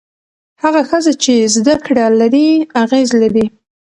هغه ښځه چې زده کړه لري، اغېز لري.